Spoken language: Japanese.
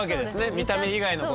見た目以外のことを。